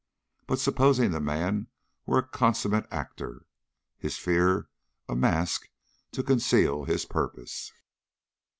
But supposing the man were a consummate actor, his fear a mask to conceal his purpose?